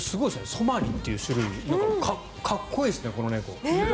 ソマリという種類かっこいいですね、この猫。